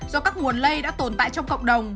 do các nguồn lây đã tồn tại trong cộng đồng